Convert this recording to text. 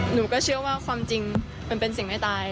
หนูก็เชื่อว่าความจริงมันเป็นสิ่งไม่ตาย